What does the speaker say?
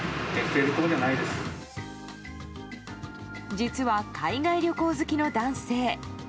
実は海外旅行好きの男性。